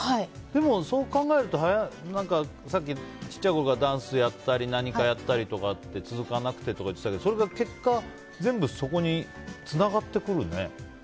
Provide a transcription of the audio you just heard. でも、そう考えるとさっき小さいころからダンスやったり何かやって続かなくてとか言ってたけどそれが結果全部そこにつながってくるね。